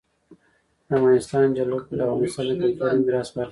د افغانستان جلکو د افغانستان د کلتوري میراث برخه ده.